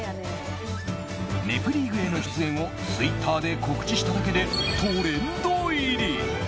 「ネプリーグ」への出演をツイッターで告知しただけでトレンド入り。